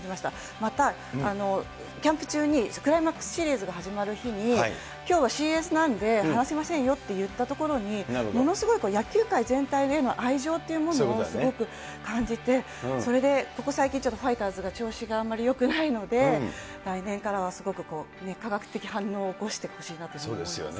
また、キャンプ中にクライマックスシリーズが始まる日に、きょうはＣＳなんで話せませんよって言ったところに、ものすごい野球界全体への愛情っていうものをすごく感じて、それでここ最近ちょっとファイターズが調子があんまりよくないので、来年からはすごく、化学的反応を起こしてほしいなと思いますね。